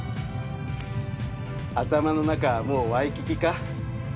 頭の中はもうワイキキか？